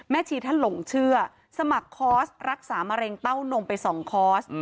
ชีท่านหลงเชื่อสมัครคอร์สรักษามะเร็งเต้านมไป๒คอร์ส